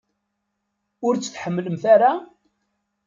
Ur tt-tḥemmlemt ara?